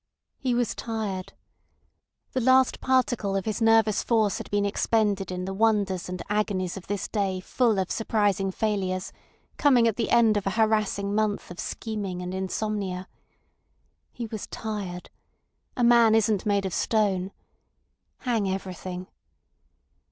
He was tired. The last particle of his nervous force had been expended in the wonders and agonies of this day full of surprising failures coming at the end of a harassing month of scheming and insomnia. He was tired. A man isn't made of stone. Hang everything!